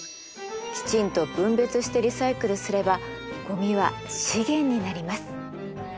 きちんと分別してリサイクルすればごみは資源になります。